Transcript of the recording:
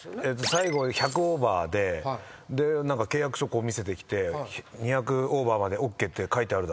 最後１００オーバーで契約書見せてきて「２００オーバーまでＯＫって書いてあるだろ」って言ってきて。